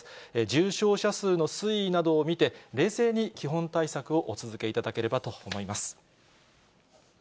重症者数の推移などを見て、冷静に基本対策をお続けいただければと思います。